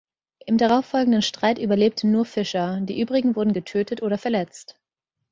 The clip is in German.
Im darauffolgenden Streit überlebte nur Fisher; die übrigen wurden getötet oder verletzt.